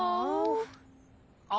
あ。